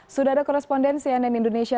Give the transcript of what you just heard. sudah ada koresponden cnn indonesia